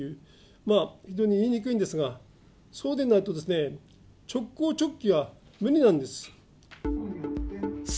まあ、非常に言いにくいんですが、そうでないとですね、直行直帰は無理なんです。